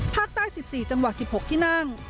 ภาคใต้สิบสี่จังหวัดสิบหกที่นั่ง